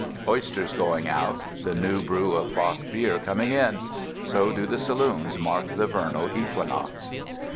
Oysters going out, the new brew of Bock beer coming in: so do the saloons mark the vernal equinox.